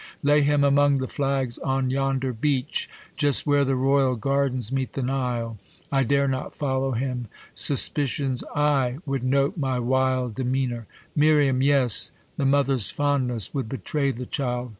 Lay him among the flags on yonder beach, Just where the royal gardens meet the Nile. 1 dare not follow him. Suspicion's eye Would 142 THE COLUMBIAN ORATOR. Would note my wild demeanor ; Miriam, yes, The mother's fondness would betray the child.